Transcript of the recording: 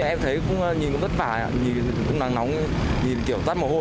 em thấy cũng nhìn cũng tất vả nhìn cũng nắng nóng nhìn kiểu tắt mồ hôi